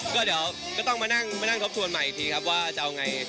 ก็เดี๋ยวก็ต้องมานั่งทบทวนใหม่อีกทีครับว่าจะเอาไง